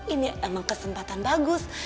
ini emang kesempatan bagus